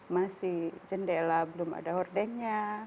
masih jendela belum ada hordennya